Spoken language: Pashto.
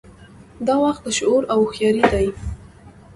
دا وخت د شعور او هوښیارۍ دی.